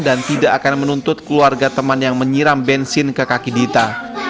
dan tidak akan menuntut keluarga teman yang menyiram bensin ke kaki dita